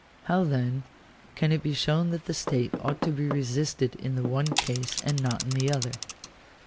How then can it be shown that the state ought to be resisted in the one case and not in the other